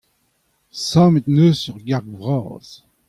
Sammet en deus ur garg vras.